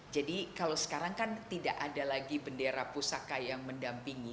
kalau sekarang kan tidak ada lagi bendera pusaka yang mendampingi